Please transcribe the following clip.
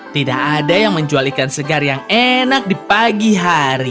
tidak ada yang menjual ikan segar yang enak di pagi hari